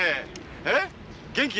えっ元気？